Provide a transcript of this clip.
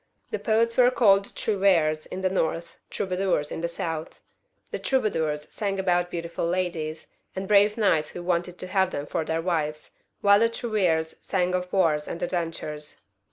The poets were called trouvferes in the north, troubadours in the south. The troubadours sang songs about beautiful ladies, and brave knights who wanted to have them for their wives, while the trouvferes sang of wars and adventures.